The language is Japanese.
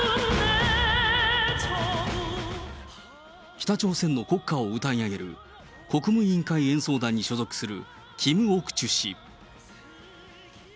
北朝鮮の国歌を歌い上げる、国務委員会演奏団に所属するキム・オクチュ氏。